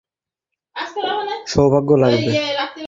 নতুন আরেকটা বানাতে আমার সৌভাগ্য লাগবে।